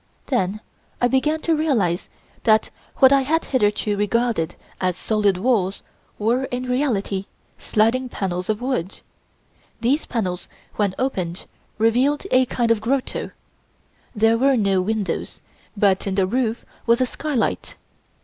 I then began to realize that what I had hitherto regarded as solid walls were in reality sliding panels of wood. These panels when opened revealed a kind of grotto. There were no windows, but in the roof was a skylight.